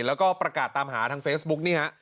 แล้วก็ประกาศตามหาทางเฟซบุ๊กนี่ฮะ